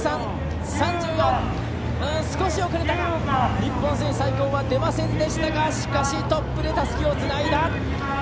日本人最高は出ませんでしたがしかし、トップでたすきをつないだ！